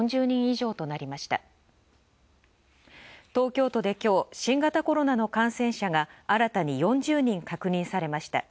東京都で今日、新型コロナの感染者が新たに４０人確認されました。